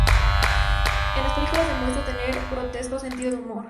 En las películas demuestra tener un grotesco sentido del humor.